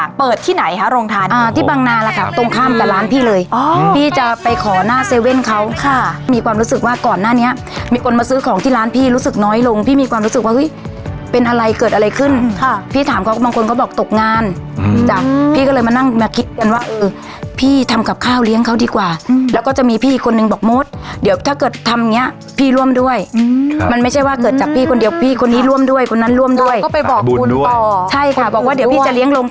เกิดอะไรขึ้นค่ะพี่ถามเขาบางคนเขาบอกตกงานอืมจ้ะพี่ก็เลยมานั่งมาคิดกันว่าเออพี่ทำกับข้าวเลี้ยงเขาดีกว่าอืมแล้วก็จะมีพี่คนหนึ่งบอกมดเดี๋ยวถ้าเกิดทำเงี้ยพี่ร่วมด้วยอืมค่ะมันไม่ใช่ว่าเกิดจากพี่คนเดียวพี่คนนี้ร่วมด้วยคนนั้นร่วมด้วยก็ไปบอกบุญด้วยใช่ค่ะบอกว่าเดี๋ยวพี่จะเลี้ยงโรงท